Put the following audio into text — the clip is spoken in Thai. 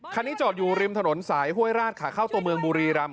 จอดอยู่ริมถนนสายห้วยราชขาเข้าตัวเมืองบุรีรำ